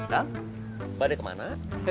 bang balik kemana